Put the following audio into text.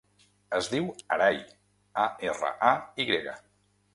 Es diu Aray: a, erra, a, i grega.